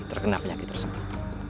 terkena penyakit tersebut